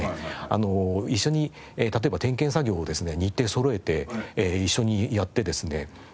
一緒に例えば点検作業をですね日程そろえて一緒にやってですね。